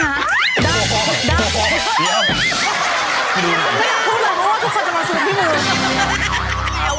ไม่อยากพูดเลยเพราะว่าทุกคนจะมาซื้อที่มือ